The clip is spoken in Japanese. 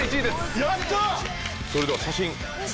それでは写真。